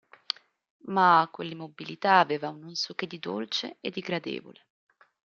Ma quell'immobilità aveva un non so che di dolce e di gradevole.